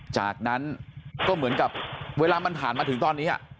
จากนั้นก็เหมือนกับเวลามันผ่านมาถึงตอนนี้